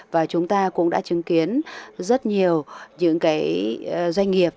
và chúng ta cũng đã chứng kiến rất nhiều những cái doanh nghiệp